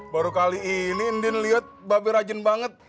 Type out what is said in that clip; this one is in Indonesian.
baru kali ini din liat be rajin banget